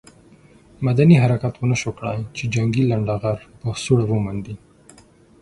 مدني حرکت ونه شو کړای چې جنګي لنډه غر په سوړه ومنډي.